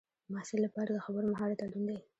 د محصل لپاره د خبرو مهارت اړین دی.